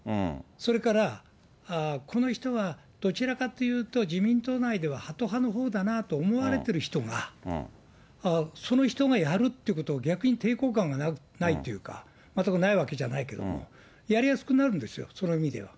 それからこの人は、どちらかっていうと、自民党内ではハト派のほうだなと思われてる人が、その人がやるっていうことは逆に抵抗感がないっていうか、全くないわけじゃないけど、やりやすくなるんですよ、その意味では。